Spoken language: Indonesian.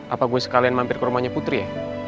apa gue sekalian mampir ke rumahnya putri ya